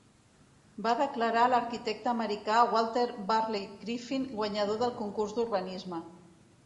Va declarar a l'arquitecte americà Walter Burley Griffin guanyador del concurs d'urbanisme.